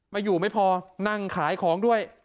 มาอยู่ไม่พอนั่งขายของด้วย